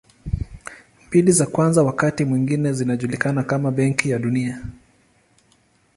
Mbili za kwanza wakati mwingine zinajulikana kama Benki ya Dunia.